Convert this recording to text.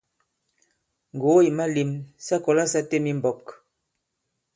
Ŋgògo ì malēm: sa kɔ̀la sa têm i mbɔ̄k.